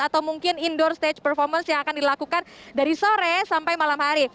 atau mungkin indoor stage performance yang akan dilakukan dari sore sampai malam hari